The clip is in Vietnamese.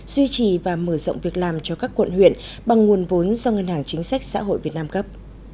duy trì và mở rộng việc làm cho các quận huyện bằng nguồn vốn do ngân hàng chính sách xã hội việt nam gấp